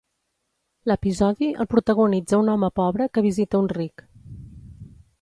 L'episodi el protagonitza un home pobre que visita un ric.